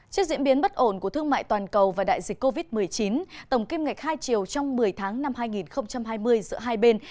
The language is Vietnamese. trước diễn biến bất ổn của thương mại toàn cầu và đại dịch covid một mươi chín tổng kim ngạch hai triều trong một mươi tháng năm hai nghìn hai mươi giữa hai bên